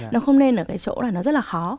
nó không nên ở cái chỗ là nó rất là khó